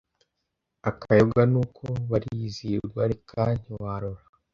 akayoga nuko barizihirwa reka ntiwarora